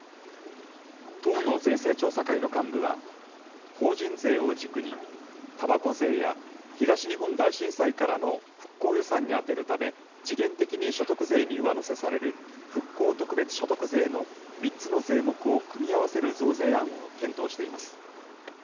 党の税制調査会の幹部は、法人税を軸に、たばこ税や、東日本大震災からの復興予算に充てるため、時限的に所得税に上乗せされる復興特別所得税の３つの税目を組み合わせる増税案を検討しています。